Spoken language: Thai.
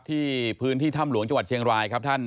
ที่พื้นที่ถ้ำหลวงจังหวัดเชียงรายครับท่าน